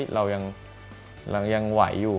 เรายังไหวอยู่